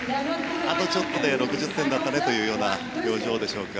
あとちょっとで６０点だったねというような表情でしょうか。